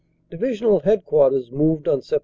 Divisional Headquarters moved on Sept.